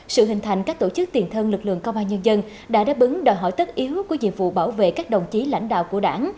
sự hình thành các tổ chức tiền thân lực lượng công an nhân dân đã đáp ứng đòi hỏi tất yếu của nhiệm vụ bảo vệ các đồng chí lãnh đạo của đảng